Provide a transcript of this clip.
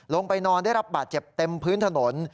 ลงไปนอนได้รับบาดเจ็บเต็มพื้นถนน